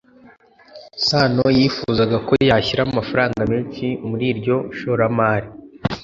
sano yifuzaga ko yashyira amafaranga menshi muri iryo shoramari